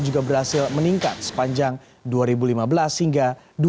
juga berhasil meningkat sepanjang dua ribu lima belas hingga dua ribu sembilan belas